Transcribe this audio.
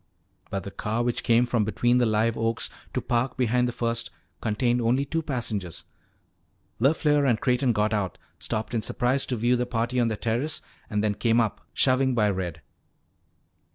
But the car which came from between the live oaks to park behind the first contained only two passengers. LeFleur and Creighton got out, stopped in surprise to view the party on the terrace, and then came up, shoving by Red.